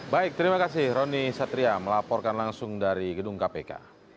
baik terima kasih roni satria melaporkan langsung dari gedung kpk